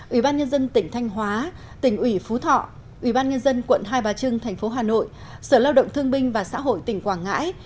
ủy ban nhân dân tỉnh thanh hóa tỉnh ủy phú thọ ủy ban nhân dân quận hai bà trưng thành phố hà nội sở lao động thương binh và xã hội tỉnh quảng ngãi